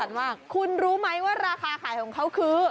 คุณรู้ไหมว่าราคาขายของเขาคือ